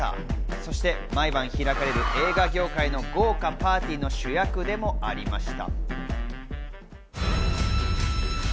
そして毎晩開かれる映画業界の豪華パーティーの主役でもありました。